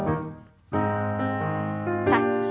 タッチ。